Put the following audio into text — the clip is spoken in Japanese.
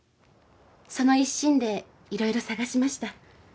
その一心でいろいろ探しました。